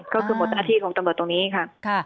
ก็คือหมดอาทิตย์ของตำรวจตรงนี้ค่ะ